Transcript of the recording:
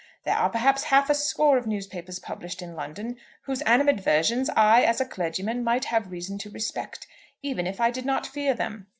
There are perhaps half a score of newspapers published in London whose animadversions I, as a clergyman, might have reason to respect, even if I did not fear them.